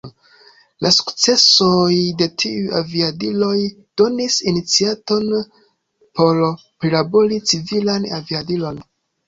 La sukcesoj de tiuj aviadiloj donis iniciaton por prilabori civilan aviadilon.